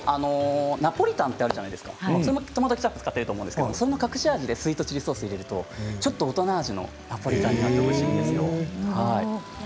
ナポリタンってあるじゃないですか、それもトマトケチャップを使っていると思うんですけどその隠し味でスイートチリソースを入れるとちょっと大人味のナポリタンになっておいしいですよ。